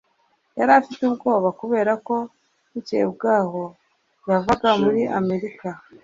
yari afite ubwoba kubera ko bukeye bwaho yavaga muri amerika